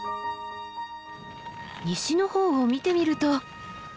西の方を見てみると。